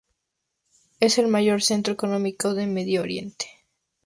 Es el mayor centro económico del medio oriente.